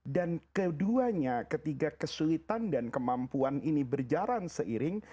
dan keduanya ketika kesulitan dan kemampuan ini berjaran seiring